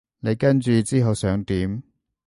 你跟住之後想點？